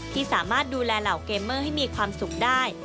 ที่สามารถดูแลเหล่าเกมเมอร์ให้มีความสุขได้